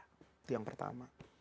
itu yang pertama